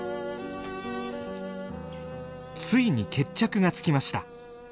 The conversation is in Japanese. ついに決着がつきました。